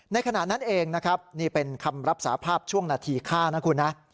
ขณะนั้นเองนะครับนี่เป็นคำรับสาภาพช่วงนาทีฆ่านะคุณนะ